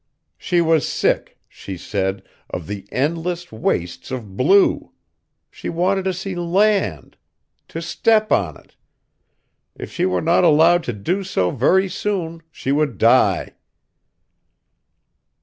She was sick, she said, of the endless wastes of blue. She wanted to see land. To step on it. If she were not allowed to do so very soon, she would die.